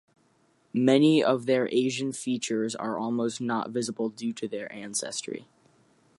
Many of their Asian features are almost not visible due to their ancestry.